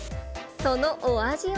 そのお味は。